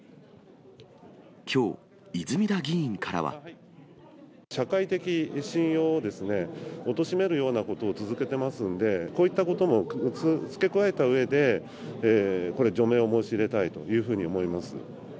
きょう、泉田議員からは。社会的信用をおとしめるようなことを続けてますんで、こういったことも付け加えたうえで、これ、除名を申し入れたいというふうに思います。